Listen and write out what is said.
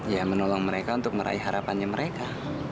ya menolong mereka untuk meraih harapannya mereka